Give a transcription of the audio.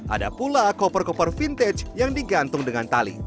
ada pula koper koper vintage yang digantung dengan tali